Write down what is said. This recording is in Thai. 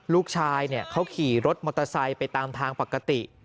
ลูกชายเขาขี่รถมอเตอร์ไซค์ไปตามทางปกติ